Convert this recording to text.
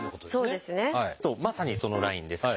まさにそのラインです。